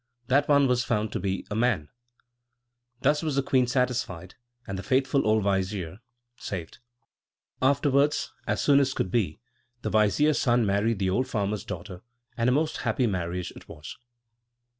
That one was found to be a man!! Thus was the queen satisfied, and the faithful old vizier saved. Afterwards, as soon as could be, the vizier's son married the old farmer's daughter; and a most happy marriage it was.